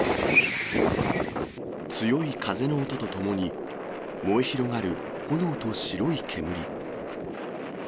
強い風の音とともに、燃え広がる炎と白い煙。